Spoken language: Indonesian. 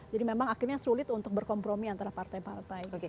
jadi memang akhirnya sulit untuk berkompromi antara partai partai